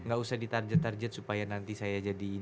gak usah ditarjet tarjet supaya nanti saya jadi